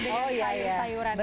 dengan sayuran ini